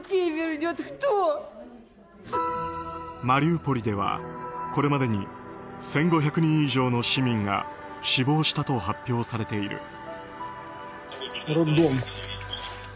マリウポリでは、これまでに１５００人以上の市民が死亡したと発表されている。